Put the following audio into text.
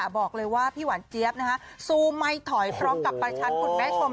บอกเลยว่าพี่หวานเจี๊ยบสู้ไม่ถอยพร้อมกับประชันคุณแม่ชม